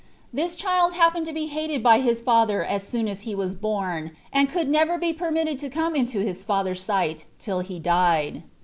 This child happened to be hated by his father as soon as he was born, and could never be permitted to come into his father's sight till he died.